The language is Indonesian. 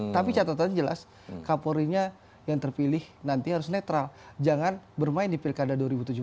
tapi catatannya jelas kapolrinya yang terpilih nanti harus netral jangan bermain di pilkada dua ribu tujuh belas